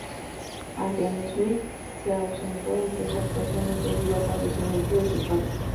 Adrian Smith se ausentó en tres actuaciones debido al fallecimiento de su padre.